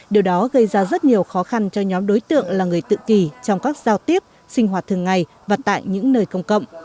điều đó gây ra rất nhiều khó khăn cho nhóm đối tượng là người tự kỳ trong các giao tiếp sinh hoạt thường ngày và tại những nơi công cộng